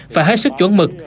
phải hết sức chuẩn mực